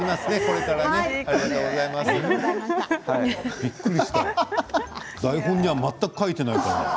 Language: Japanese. びっくりした台本には全く書いていない。